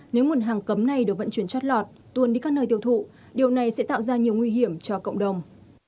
nếu nguồn hàng cấm này được vận chuyển chót lọt tuôn đi các nơi tiêu thụ điều này sẽ tạo ra nhiều nguy hiểm cho cộng đồng